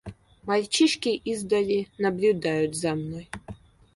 Мальчишки издали наблюдают за мной.